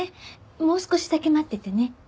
もう少しだけ待っててね。